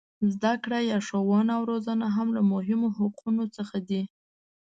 زده کړه یا ښوونه او روزنه هم له مهمو حقونو څخه ده.